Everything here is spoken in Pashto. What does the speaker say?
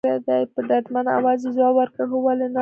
په ډاډمن اواز یې ځواب ورکړ، هو ولې نه، دوې نښې یې ښکاره کړې.